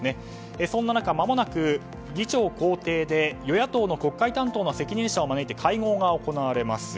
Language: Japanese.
そんな中、間もなく議長公邸で与野党の国会担当の責任者を招き会合が行われます。